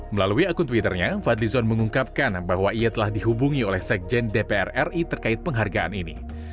melalui akun twitternya fadlizon mengungkapkan bahwa ia telah dihubungi oleh sekjen dpr ri terkait penghargaan ini